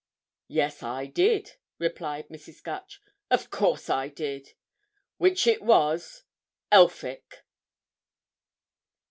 "Yes, I did," replied Mrs. Gutch. "Of course I did. Which it was Elphick."